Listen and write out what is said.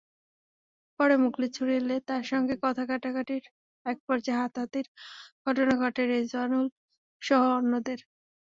পরে মখলেছুর এলে তাঁর সঙ্গে কথা-কাটাকাটির একপর্যায়ে হাতাহাতির ঘটনা ঘটে রেজোয়ানুলসহ অন্যদের।